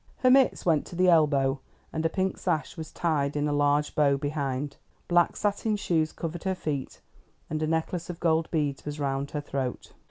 Her mitts went to the elbow, and a pink sash was tied in a large bow behind. Black satin shoes covered her feet, and a necklace of gold beads was round her throat.